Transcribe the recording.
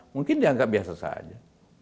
mungkin dianggap biasa saja